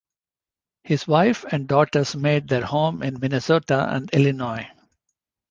His wife and daughters made their home in Minnesota and Illinois.